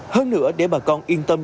hơn nữa để bà con yên tâm